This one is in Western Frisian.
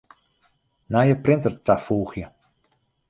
Nije printer tafoegje.